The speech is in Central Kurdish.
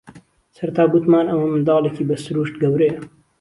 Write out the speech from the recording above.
سەرەتا گوتمان ئەمە منداڵێکی بە سرووشت گەورەیە